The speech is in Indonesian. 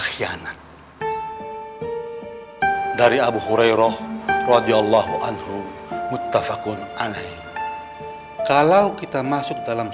kianat dari abu hurairah radhiallahu anhu mutafakun aneh kalau kita masuk dalam